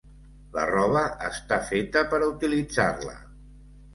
La roba està feta per a utilitzar-la.